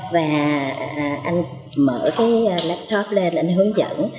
và anh mở cái laptop lên anh hướng dẫn